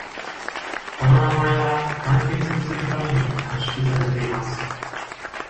この名前は、簡潔にするために短縮されています。